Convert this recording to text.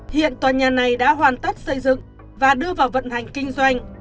hiện tòa nhà này đã hoàn tất xây dựng và đưa vào vận hành kinh doanh